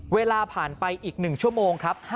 เวลาผ่านไปอีก๑ชั่วโมงครับ